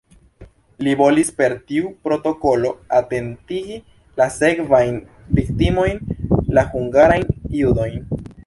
Li volis per tiu protokolo atentigi la sekvajn viktimojn, la hungarajn judojn.